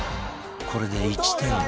これで１対２。